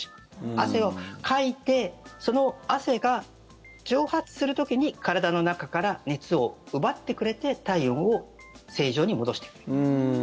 汗をかいてその汗が蒸発する時に体の中から熱を奪ってくれて体温を正常に戻してくれる。